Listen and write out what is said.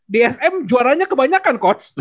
di sm juaranya kebanyakan coach